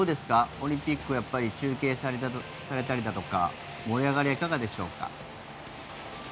オリンピックは中継されたりだとか盛り上がりはいかがでしょうか？